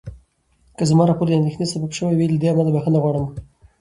که زما راپور د اندېښنې سبب شوی وي، له دې امله بخښنه غواړم.